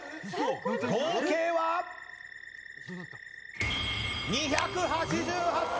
合計は２８８点！